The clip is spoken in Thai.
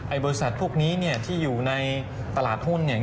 บริษัทพวกนี้เนี่ยที่อยู่ในตลาดหุ้นเนี่ย